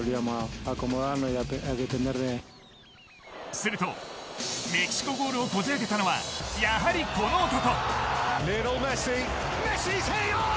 するとメキシコゴールをこじ開けたのはやはり、この男。